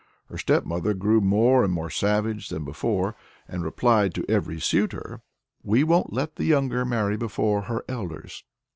Her stepmother grew even more savage than before, and replied to every suitor "We won't let the younger marry before her elders."